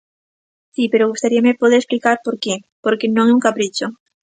Si, pero gustaríame poder explicar por que, porque non é un capricho.